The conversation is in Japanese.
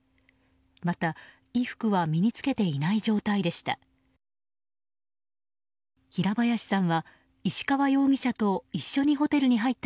また、衣服は身に付けていない状態でした。